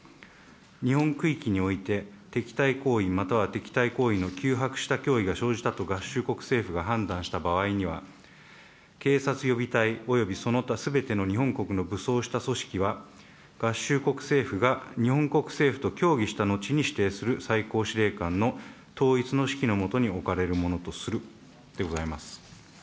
日本区域において敵対行為または敵対行為の急迫した脅威が生じたと合衆国政府が判断した場合には、警察予備隊およびその他すべての日本国の武装した組織は、合衆国政府が日本国政府と協議した後に指定する最高司令官の統一の指揮のもとに置かれるものとする、でございます。